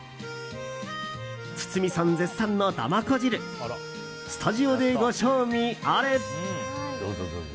堤さん絶賛のだまこ汁スタジオでご賞味あれ。